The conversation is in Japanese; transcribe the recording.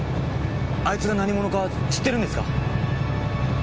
あいつが何者か知ってるんですか？